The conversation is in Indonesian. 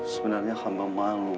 sebenarnya hamba malu